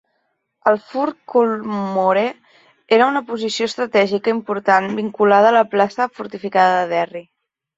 El Fort Culmore era una posició estratègica important vinculada a la plaça fortificada de Derry.